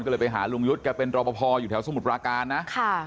ก็เลยไปหาลุงยุทธ์แกเป็นรอปภอยู่แถวสมุทรปราการนะค่ะ